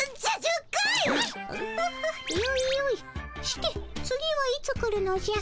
して次はいつ来るのじゃ？